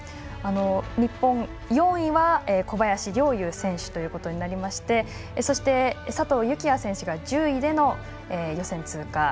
日本４位は小林陵侑選手ということになりましてそして、佐藤幸椰選手が１０位での予選通過。